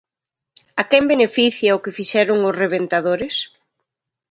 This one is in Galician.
A quen beneficia o que fixeron os rebentadores?